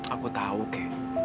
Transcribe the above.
aku tahu keh